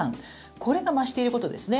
これが増していることですね。